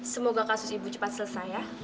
semoga kasus ibu cepat selesai ya